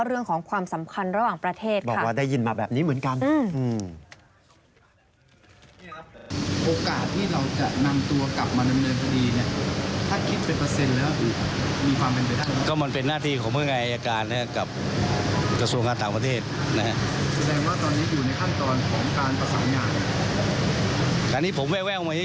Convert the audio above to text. เป็นผู้ต้องหาที่มีการออกหมายจับก็คือเป็นผู้หญิงใช่มั้ย